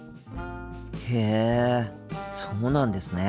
へえそうなんですね。